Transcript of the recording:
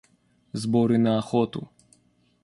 Сборы на охоту.